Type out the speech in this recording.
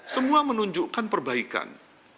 semua menunjukkan perbaikan